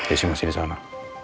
isi masin di sana